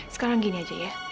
sekarang gini aja ya